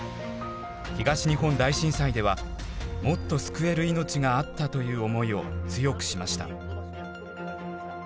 東日本大震災では「もっと救える命があった」という思いを強くしました。